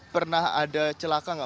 pernah ada celaka nggak